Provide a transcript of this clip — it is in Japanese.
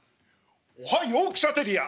おはヨークシャーテリア！